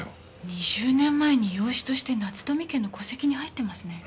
２０年前に養子として夏富家の戸籍に入ってますね。